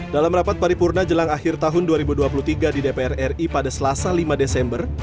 dalam rapat paripurna jelang akhir tahun dua ribu dua puluh tiga di dpr ri pada selasa lima desember